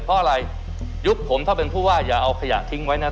เพราะอะไรยุคผมถ้าเป็นผู้ว่าอย่าเอาขยะทิ้งไว้นะ